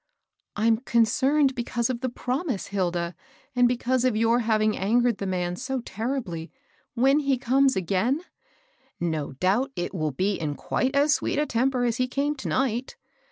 " I'm concerned because of the promise, Hilda ; and because of your having angered the msin so terribly. When he comes again," —" No doubt it will be in quite as sweet a temper as he came to night.